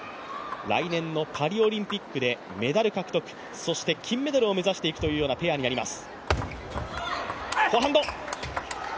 来年のパリオリンピックでメダル獲得そして、金メダルを目指していくというようなペアになります。